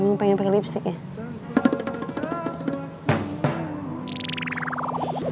emang pengen pengen lipstick ya